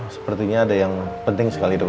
sepertinya ada yang penting sekali dok